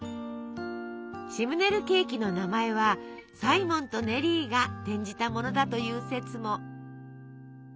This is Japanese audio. シムネルケーキの名前は「サイモンとネリー」が転じたものだという説も。